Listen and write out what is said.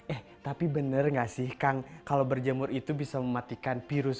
eh tapi bener gak sih kang kalau berjemur itu bisa mematikan virus